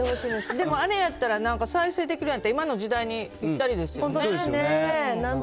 でもあれやったら、なんか再生できるんやったら、今の時代にぴっ本当ですよね。